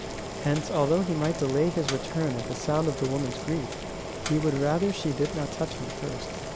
Hence although he might delay his return at the sound of the woman's grief, he would rather she did not touch him first.